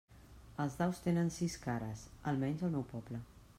Els daus tenen sis cares, almenys al meu poble.